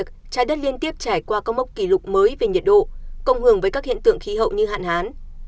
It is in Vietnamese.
trái đất liên tiếp trải qua các mốc kỷ lục mới về nhiệt độ cộng hưởng với các hiện tượng khí hậu như hạn hán